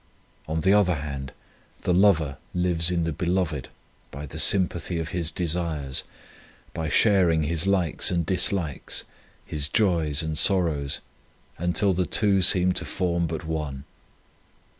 On the other hand, the lover lives in the beloved by the sympathy of his desires, by sharing his likes and dislikes, his joys and sorrows, until the two seem to form but one.